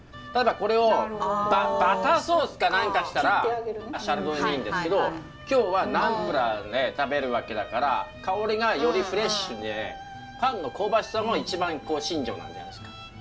ただこれをバターソースか何かしたらシャルドネでいいんですけど今日はナンプラーで食べるわけだから香りがよりフレッシュでパンの香ばしさも一番身上になるじゃないですか。